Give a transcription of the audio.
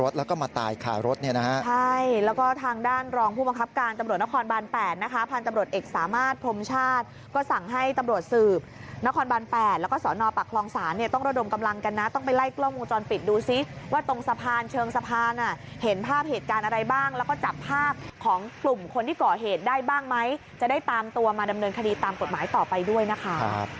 จะได้ตามตัวมาดำเนินคดีตามกฎหมายต่อไปด้วยนะคะ